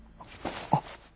あっ。